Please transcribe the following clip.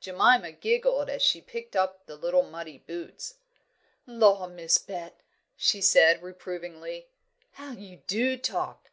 Jemima giggled as she picked up the little muddy boots. "Law, Miss Bet," she said, reprovingly, "how you do talk!